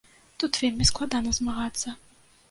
Тут вельмі складана змагацца.